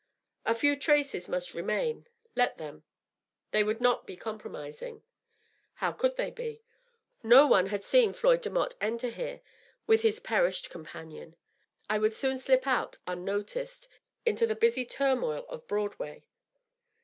A few traces must remain ; let them. They would not be compromising ; how could they be ? No one had seen Floyd Demotte enter here with his perished companion. I would soon slip out, unnoticed, into the busy turmoil of Broadway.